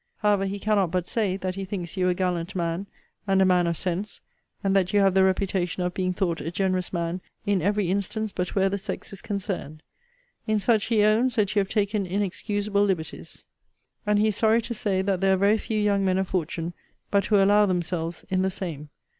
However, he cannot but say, that he thinks you a gallant man, and a man of sense; and that you have the reputation of being thought a generous man in every instance but where the sex is concerned. In such, he owns, that you have taken inexcusable liberties. And he is sorry to say, that there are very few young men of fortune but who allow themselves in the same.